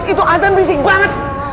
itu azan berisik banget